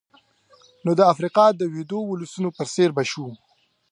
نو د افریقا د ویدو ولسونو په څېر به شو.